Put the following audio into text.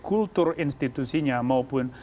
kultur institusinya maupun